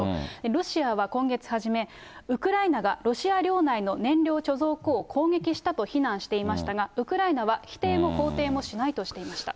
ロシアは今月初め、ウクライナがロシア領内の燃料貯蔵庫を攻撃したと非難していましたが、ウクライナは否定も肯定もしないとしていました。